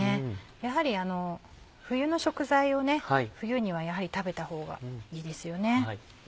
やはり冬の食材を冬に食べたほうがいいですよね。